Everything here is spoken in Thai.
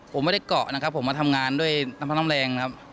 ผมไม่ได้เกาะนะครับผมมาทำงานด้วยน้ำพักน้ำแรงนะครับ